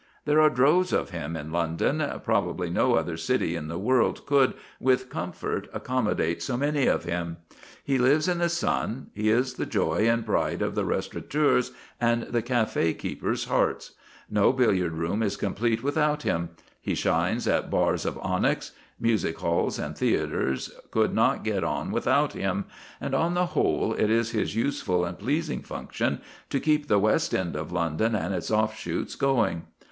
There are droves of him in London; probably no other city in the world could, with comfort, accommodate so many of him. He lives in the sun; he is the joy and pride of the restaurateurs' and the café keepers' hearts; no billiard room is complete without him; he shines at bars of onyx; music halls and theatres could not get on without him; and, on the whole, it is his useful and pleasing function to keep the West End of London and its offshoots going.